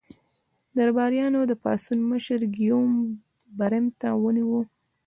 درباریانو د پاڅون مشر ګیوم برمته ونیو.